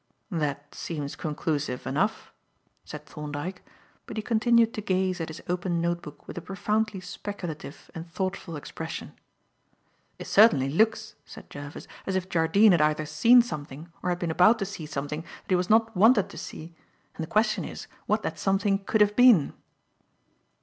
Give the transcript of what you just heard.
"That seems conclusive enough," said Thorndyke, but he continued to gaze at his open note book with a profoundly speculative and thoughtful expression. "It certainly looks," said Jervis, "as if Jardine had either seen something or had been about to see something that he was not wanted to see; and the question is what that something could have been."